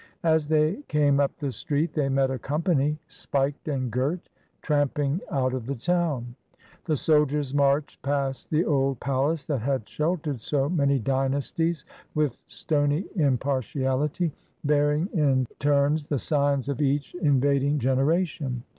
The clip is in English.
As they came up the street they met a company, spiked and girt, tramping out of the town. The soldiers marched past the old palace that had shel :ered so many dynasties with stony impartiality, jearing in turns the signs of each invading genera ion.